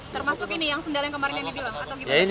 termasuk ini yang sendal yang kemarin dibilang